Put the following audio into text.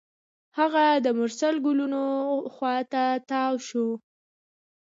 هغه د مرسل ګلونو خوا ته تاوه شوه.